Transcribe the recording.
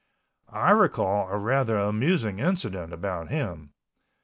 I recall a rather amusing incident about him.